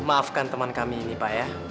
maafkan teman kami ini pak ya